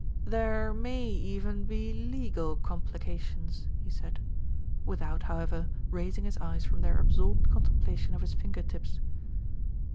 "There may even be legal complications," he said, without, however, raising his eyes from their absorbed contemplation of his finger tips.